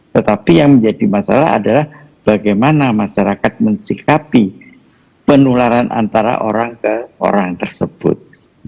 tetapi yang menjadi masalah adalah bagaimana masyarakat mensikapi penularan antara orang ke orang tersebut